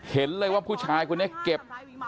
เห็นเลยว่าผู้ชายเค้าเก็บ